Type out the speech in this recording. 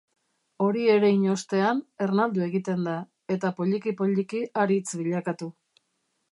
Hori erein ostean, ernaldu egiten da, eta poliki-poliki haritz bilakatu.